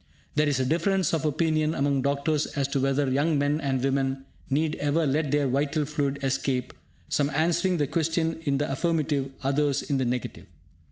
There is a difference of opinion among doctors as to whether young men and women need ever let their vital fluid escape, some answering the question in the affirmative, others in the negative.